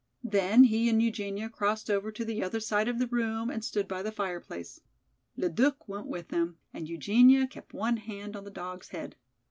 Then he and Eugenia crossed over to the other side of the room and stood by the fireplace. Le Duc went with them and Eugenia kept one hand on the dog's head.